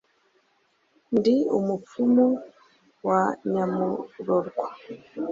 Ndi umupfumu wa Nyamurorwa